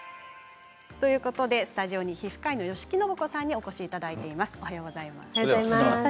スタジオに皮膚科医の吉木伸子さんにお越しいただいています。